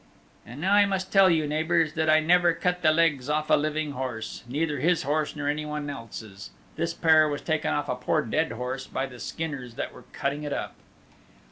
"And now I must tell you, neighbors," said Gilly, "that I never cut the legs of a living horse neither his horse nor anyone else's. This pair was taken off a poor dead horse by the skinners that were cutting it up."